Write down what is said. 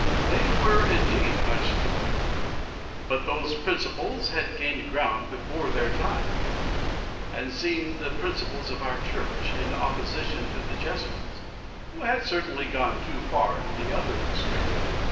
Lord Falkland. They were indeed much to blame; but those principles had gained ground before their times, and seemed the principles of our Church, in opposition to the Jesuits, who had certainly gone too far in the other extreme.